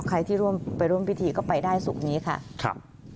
ใครที่ไปร่วมพิธีก็ไปได้ศุกร์นี้ค่ะ